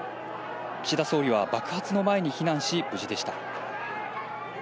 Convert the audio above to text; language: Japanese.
岸田総理は爆発の前に避難し、無事でした。